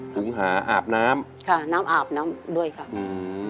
ถุงหาอาบน้ำค่ะน้ำอาบน้ำด้วยค่ะอืม